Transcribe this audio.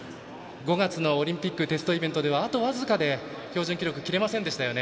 ５月のオリンピックテストイベントではあと僅かで標準記録切れなかったですよね。